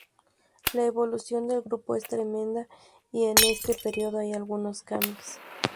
La evolución del grupo es tremenda, y en este periodo hay algunos cambios.